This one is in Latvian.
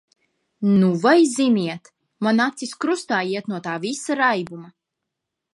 Nu vai ziniet, man acis krustā iet no tā visa raibuma.